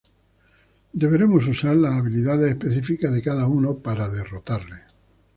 Deberemos usar las habilidades específicas de cada uno para derrotarle.